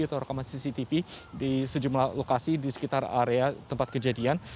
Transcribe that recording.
atau rekaman cctv di sejumlah lokasi di sekitar area tempat kejadian